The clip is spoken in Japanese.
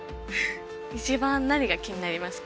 一番何が気になりますか？